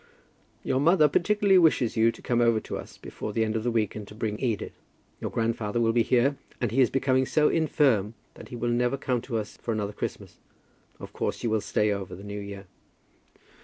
"Your mother particularly wishes you to come over to us before the end of the week, and to bring Edith. Your grandfather will be here, and he is becoming so infirm that he will never come to us for another Christmas. Of course you will stay over the new year."